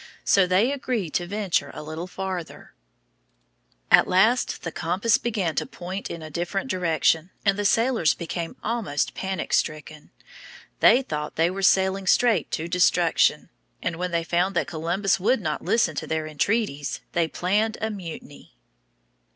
So they agreed to venture a little farther. [Illustration: The Pinta.] At last the compass began to point in a different direction, and the sailors became almost panic stricken. They thought they were sailing straight to destruction, and when they found that Columbus would not listen to their entreaties they planned a mutiny.